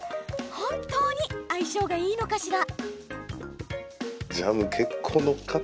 本当に相性がいいのかしら？